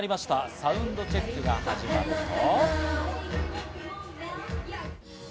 サウンドチェックが始まると。